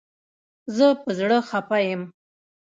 زه په زړه خپه یم